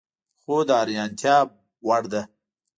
خو د حیرانتیا وړ ده